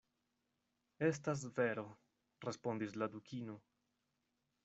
"Estas vero," respondis la Dukino.